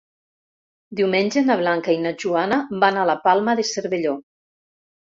Diumenge na Blanca i na Joana van a la Palma de Cervelló.